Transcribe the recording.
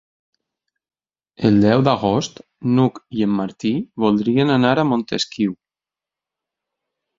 El deu d'agost n'Hug i en Martí voldrien anar a Montesquiu.